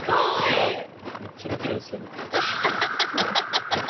めっちゃできるんすよね。